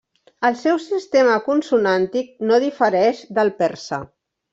El seu sistema consonàntic no difereix del persa.